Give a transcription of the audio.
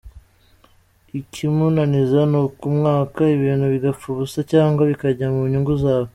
Ikimunaniza ni ukumwaka ibintu bigapfa ubusa cyangwa bikajya mu nyungu zawe.